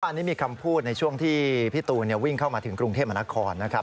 อันนี้มีคำพูดในช่วงที่พี่ตูนวิ่งเข้ามาถึงกรุงเทพมนาคอนนะครับ